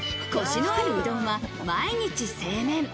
コシのあるうどんは毎日、製麺。